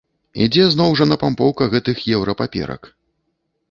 Ідзе зноў жа напампоўка гэтых еўра-паперак.